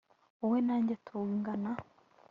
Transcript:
wowe na njye tungana